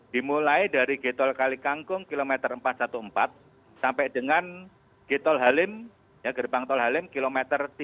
dimulai dari gtol kalikangkung km empat ratus empat belas sampai dengan gtol halim gerbang tol halim km tiga lima ratus